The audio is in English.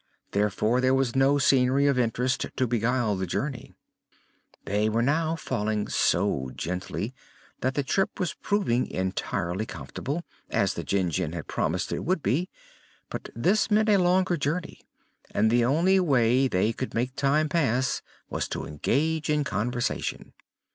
Therefore there was no scenery of interest to beguile the journey. They were now falling so gently that the trip was proving entirely comfortable, as the Jinjin had promised it would be; but this meant a longer journey and the only way they could make time pass was to engage in conversation.